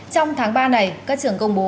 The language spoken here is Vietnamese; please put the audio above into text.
trong tháng ba này các trường công bố